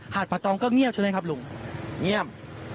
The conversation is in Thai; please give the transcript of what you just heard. ดประตองก็เงียบใช่ไหมครับลุงเงียบ